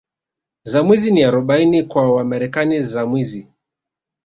za Mwizi ni Arobaini kwa Wamarekani za mwizi